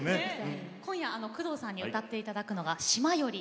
今夜、工藤さんに歌っていただくのは「島より」